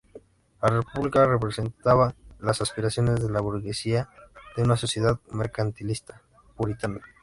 La república representaba las aspiraciones de la burguesía, de una sociedad mercantilista puritana.